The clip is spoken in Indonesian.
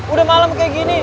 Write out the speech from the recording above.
udah malam kayak gini